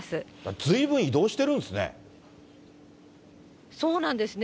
ずいぶん移動してるんですね。